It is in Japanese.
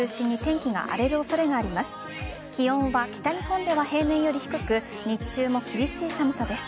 気温は、北日本では平年より低く日中も厳しい寒さです。